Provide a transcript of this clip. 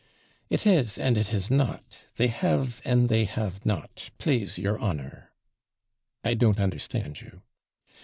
'It is, and it is not they have, and they have not plase your honour.' 'I don't understand you.'